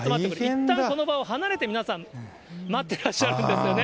いったんこの場を離れて皆さん、待ってらっしゃるんですよね。